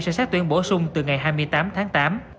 sẽ xét tuyển bổ sung từ ngày hai mươi tám tháng tám